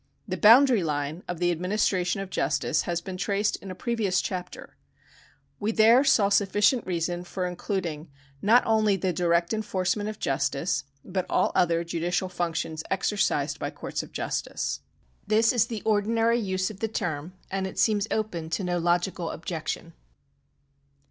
The boundary line of the administration of justice has been traced in a previous chapter. We there saw sufficient reason for including not only the direct enforcement of justice, but all other judicial functions exercised by courts of justice. § 79] THE KINDS OF LEGAL RIGHTS 201 This is the ordinary use of the term, and it seems open to no logical objection.